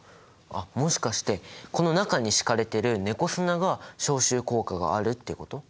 あっもしかしてこの中に敷かれてる猫砂が消臭効果があるってこと？